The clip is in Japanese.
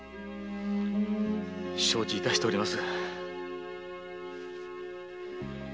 承知致しております。